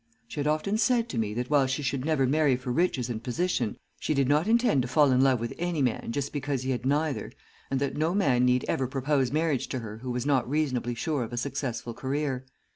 She had often said to me that while she should never marry for riches and position, she did not intend to fall in love with any man just because he had neither, and that no man need ever propose marriage to her who was not reasonably sure of a successful career.